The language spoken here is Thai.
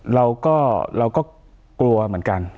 เราก็กลัวเหมือนกัน